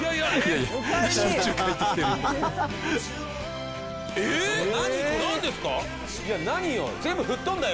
いや何よ